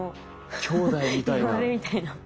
きょうだいみたいな。みたいな。